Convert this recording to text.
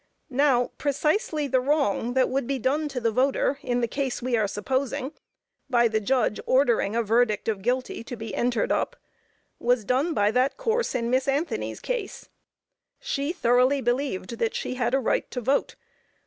Now, precisely the wrong that would be done to the voter in the case we are supposing, by the judge ordering a verdict of guilty to be entered up, was done by that course in Miss Anthony's case. She thoroughly believed that she had a right to vote.